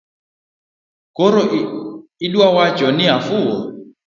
Koro iduawacho ni afuwo?